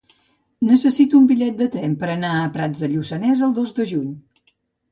Necessito un bitllet de tren per anar a Prats de Lluçanès el dos de juny.